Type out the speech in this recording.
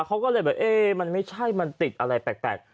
เขาก็เลยแบบเอ๊ะมันไม่ใช่มันติดอะไรแปลก